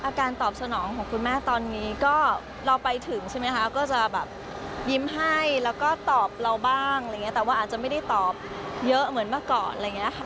การตอบสนองของคุณแม่ตอนนี้ก็เราไปถึงใช่ไหมคะก็จะแบบยิ้มให้แล้วก็ตอบเราบ้างอะไรอย่างเงี้แต่ว่าอาจจะไม่ได้ตอบเยอะเหมือนเมื่อก่อนอะไรอย่างนี้ค่ะ